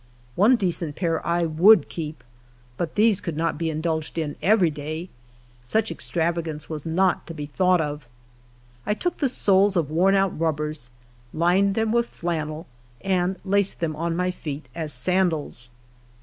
One decent j^air 1 trould keep, but these could not be indulged in every day ; such extravagance was not to be thought of, T took the soles of worn out rubbers, lined them with flan nel, and laced them on my feet as sandals.